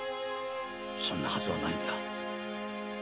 そんなハズはないんだ。